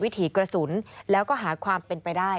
ถีกระสุนแล้วก็หาความเป็นไปได้